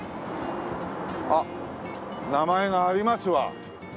あっ名前がありますわ。